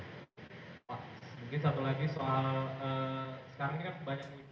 mungkin satu lagi soal sekarang kita banyak